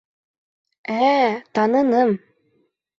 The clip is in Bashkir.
Ә-ә, таныным!